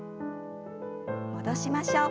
戻しましょう。